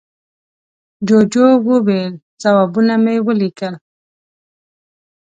جوجو وویل، ځوابونه مې وليکل.